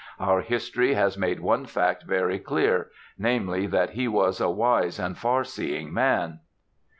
Our history has made one fact very clear, namely, that he was a wise and far seeing man."